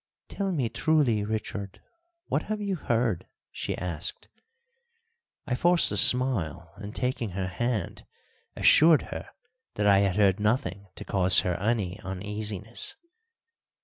"Tell me truly, Richard, what have you heard?" she asked. I forced a smile, and, taking her hand, assured her that I had heard nothing to cause her any uneasiness.